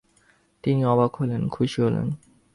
তিনি অবাক হলেন, খুশি হলেন।